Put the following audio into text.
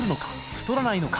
太らないのか？